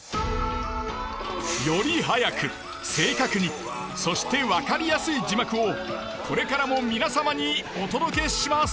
より速く正確にそして分かりやすい字幕をこれからも皆様にお届けします。